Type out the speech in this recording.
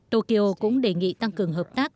tokyo cũng đề nghị tăng cường hợp tác